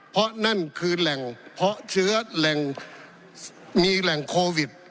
เพราะนั่นคือแหล่งเพาะเชื้อแหล่งมีแหล่งโควิด